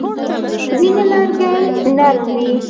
ځینې لرګي نرم وي.